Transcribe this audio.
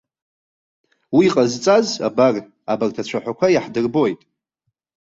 Уи ҟазҵаз абар, абарҭ ацәаҳәақәа иаҳдырбоит.